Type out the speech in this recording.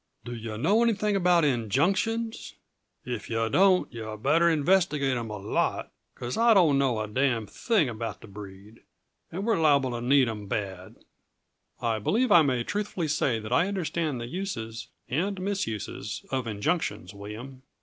Do yuh know anything about injunctions? If yuh don't, yuh better investigate 'em a lot because I don't know a damn' thing about the breed, and we're liable to need 'em bad." "I believe I may truthfully say that I understand the uses and misuses of injunctions, William.